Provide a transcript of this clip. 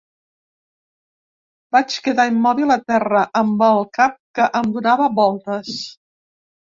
Vaig quedar immòbil a terra, amb el cap que em donava voltes.